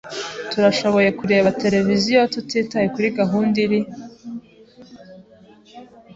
Turashoboye kureba televiziyo, tutitaye kuri gahunda iri.